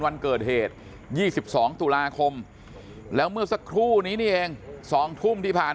วันเกิดเหตุ๒๒ตุลาคมแล้วเมื่อสักครู่นี้นี่เอง๒ทุ่มที่ผ่าน